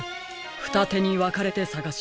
ふたてにわかれてさがしましょう。